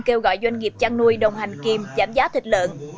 kêu gọi doanh nghiệp chăn nuôi đồng hành kiêm giảm giá thịt lợn